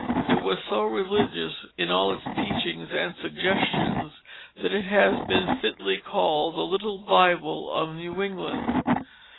It was so religious in all its teachings and suggestions that it has been fitly called the "Little Bible of New England."